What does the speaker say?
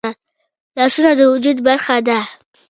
لاسونه د وجود برخه ده